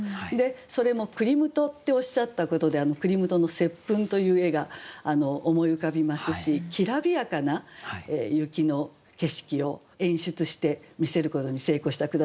それも「クリムト」っておっしゃったことでクリムトの「接吻」という絵が思い浮かびますしきらびやかな雪の景色を演出してみせることに成功した句だと思います。